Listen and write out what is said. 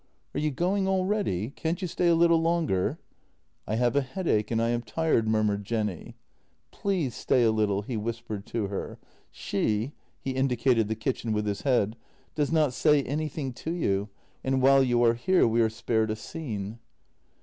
" Are you going already? Can't you stay a little longer? "" I have a headache and I am tired," murmured Jenny. " Please stay a little," he whispered to her. " She "— he indicated the kitchen with his head —" does not say anything to you, and while you are here we are spared a scene."